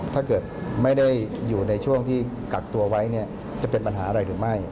ถ้าเกิดไม่ได้อยู่ในช่วงที่กักตัวไว้เนี่ยจะเป็นปัญหาอะไรหรือไม่